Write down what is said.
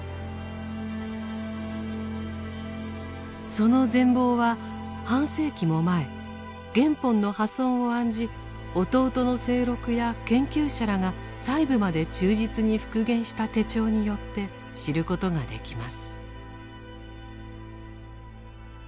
その全貌は半世紀も前原本の破損を案じ弟の清六や研究者らが細部まで忠実に復元した手帳によって知ることができます。